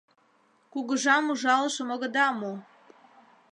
Кугыжам ужалышым огыда му!